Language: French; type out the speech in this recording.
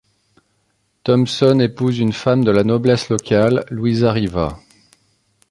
Thompson épouse une femme de la noblesse locale, Luisa Riva.